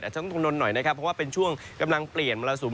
ต้องกังวลหน่อยนะครับเพราะว่าเป็นช่วงกำลังเปลี่ยนมรสุม